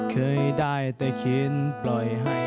เคยได้แต่คิดปล่อยให้เธอรอ